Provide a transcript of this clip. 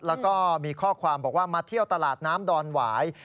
แล้วก็มีข้อความบอกว่ามาเที่ยวตลาดน้ำดอนหวาย